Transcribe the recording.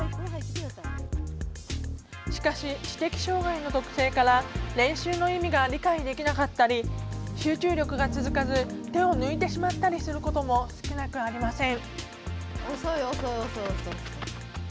しかし、知的障がいの特性から練習の意味が理解できなかったり集中力が続かず手を抜いてしまったりすることも少なくありません。